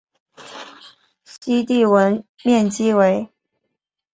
西帝汶面积为。